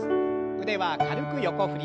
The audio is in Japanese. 腕は軽く横振り。